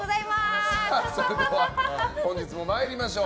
では、本日も参りましょう。